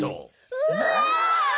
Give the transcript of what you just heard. うわ！